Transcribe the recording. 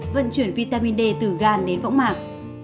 vận chuyển vitamin d từ gan đến võng mạc